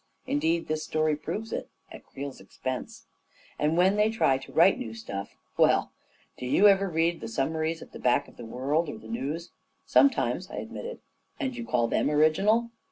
Indeed, this story proves it — at Creel's expense !" And when they try to write new stuff — well — do you ever read the summaries at the back of the World or the Newsf" " Sometimes," I admitted. " And you call them original